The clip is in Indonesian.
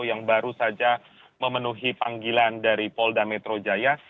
yang baru saja memenuhi panggilan dari polda metro jaya